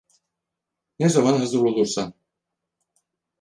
Ne zaman hazır olursan.